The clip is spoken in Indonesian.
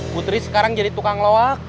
putri sekarang jadi tukang loak